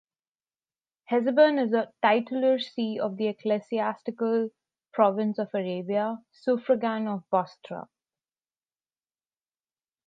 Hesebon is a titular see of the ecclesiastical province of Arabia, suffragan of Bostra.